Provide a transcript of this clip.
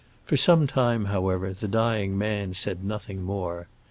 For some time, however, the dying man said nothing more.